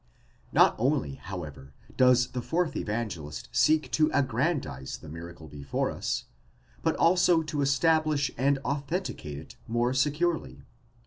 *4_ Not only, however, does the fourth Evangelist seek to aggrandize the miracle before us, but also to establish and authenticate it more securely.